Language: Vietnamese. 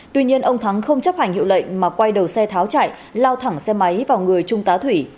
tuy nhiên ông thắng không chấp hành hiệu lệnh mà quay đầu xe tháo chạy lao thẳng xe máy vào người trung tá thủy